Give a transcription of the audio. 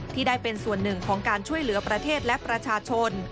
ที่ได้เป็นส่วนหนึ่งของการช่วยเหลือประเทศและประชาชน